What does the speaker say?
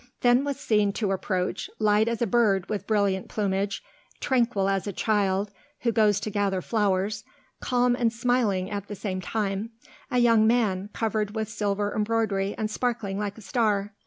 Then was seen to approach, light as a bird with brilliant plumage, tranquil as a child who goes to gather flowers, calm and smiling at the same time, a young man, covered with silver embroidery and sparkling like a star.